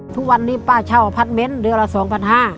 ทุกวันนี้ป้าเช่าอพาร์ทเมนต์เดือนละ๒๕๐๐บาท